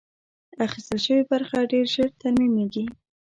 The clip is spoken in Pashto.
اخیستل شوې برخه ډېر ژر ترمیمېږي.